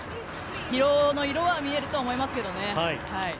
疲労の色は見えると思います。